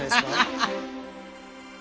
ハハハハ！